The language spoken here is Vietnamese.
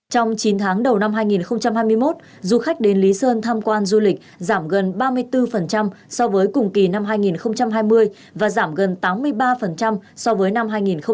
trong chín tháng đầu năm hai nghìn hai mươi một du khách đến lý sơn tham quan du lịch giảm gần ba mươi bốn so với cùng kỳ năm hai nghìn hai mươi và giảm gần tám mươi ba so với năm hai nghìn hai mươi hai